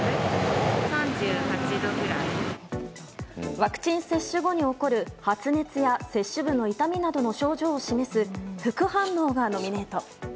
ワクチン接種後に起こる発熱や接種部の痛みや発熱などの症状を示す、副反応がノミネート。